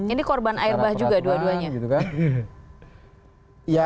ini korban air bah juga dua duanya